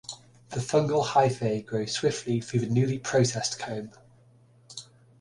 The fungal hyphae grow swiftly through the newly processed comb.